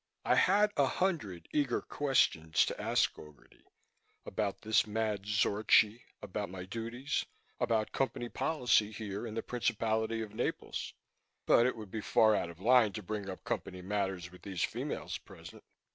I had a hundred eager questions to ask Gogarty about this mad Zorchi, about my duties, about Company policy here in the principality of Naples but it would be far out of line to bring up Company matters with these females present.